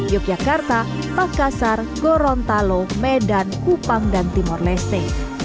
yogyakarta pakasar gorontalo medan kupang dan timor leste